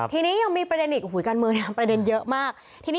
ทีนี้อีกประเด็นอื่นอุ้ยกานมือกัน